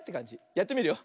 やってみるよ。